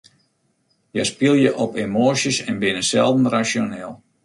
Hja spylje op emoasjes en binne selden rasjoneel.